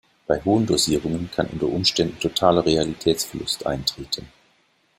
Bei hohen Dosierungen kann unter Umständen totaler Realitätsverlust eintreten.